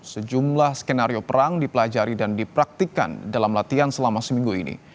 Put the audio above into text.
sejumlah skenario perang dipelajari dan dipraktikan dalam latihan selama seminggu ini